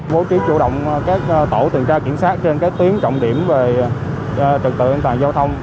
bố trí chủ động các tổ tuần tra kiểm soát trên các tuyến trọng điểm về trật tự an toàn giao thông